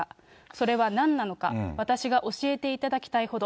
それはなんなのか、私が教えていただきたいほど。